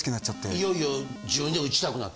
いよいよ自分で撃ちたくなって。